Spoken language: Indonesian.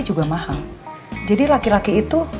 itu bu andin pake gosi roda